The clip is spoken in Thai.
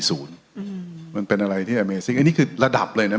อืมมันเป็นอะไรที่อเมซิงอันนี้คือระดับเลยเนี่ย